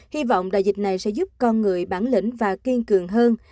hy vọng đại dịch này sẽ giúp con người bản lĩnh và kiên cường hơn